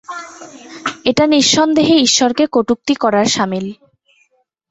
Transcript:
এটা নিঃসন্দেহে ঈশ্বরকে কটূক্তি করার সামিল।